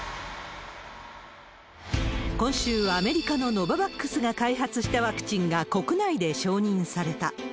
今週、アメリカのノババックスが開発したワクチンが国内で承認された。